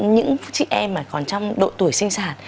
những chị em mà còn trong độ tuổi sinh sản